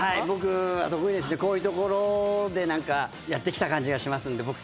こういうところでやってきた感じがしますんで。